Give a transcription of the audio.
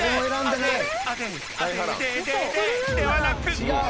［ではなく］あ！